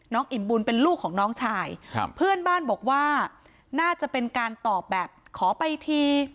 อิ่มบุญเป็นลูกของน้องชายครับเพื่อนบ้านบอกว่าน่าจะเป็นการตอบแบบขอไปที